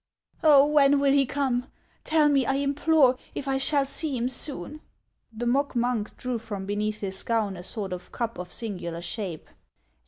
" Oh, when will he come ? Tell me, I implore, if I shall see him soon." The mock monk drew from beneath his gown a sort of cup of singular shape.